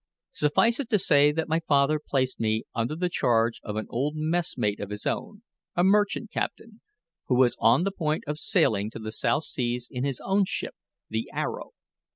Suffice it to say that my father placed me under the charge of an old messmate of his own, a merchant captain, who was on the point of sailing to the South Seas in his own ship, the Arrow.